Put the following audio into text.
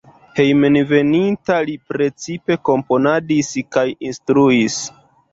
Hejmenveninta li precipe komponadis kaj instruis.